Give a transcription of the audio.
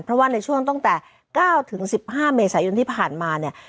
เพราะว่าในช่วงตั้งแต่๙๑๕เมษายนที่ผ่านมาเนี่ย